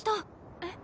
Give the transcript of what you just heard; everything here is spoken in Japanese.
えっ？